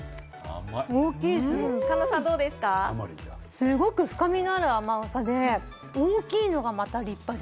すごく深みのある甘さで、大きいのがまた立派で。